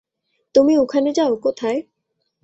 তুমি ওখানে যাও - কোথায়?